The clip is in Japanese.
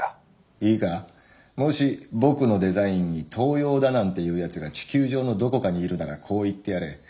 いいかもし僕のデザインに盗用だなんて言うヤツが地球上のどこかに居るならこう言ってやれッ！